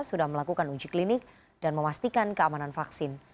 sudah melakukan uji klinik dan memastikan keamanan vaksin